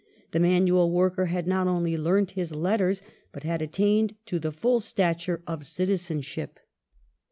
The manual worker had not only learnt his letters but had attained to the full stature of citizenship.